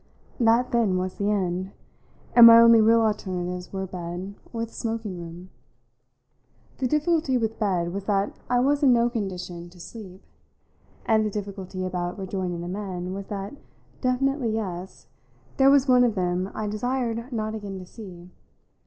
That then was the end, and my only real alternatives were bed or the smoking room. The difficulty with bed was that I was in no condition to sleep, and the difficulty about rejoining the men was that definitely, yes there was one of them I desired not again to see.